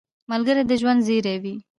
ملګری د ژوند زېری وي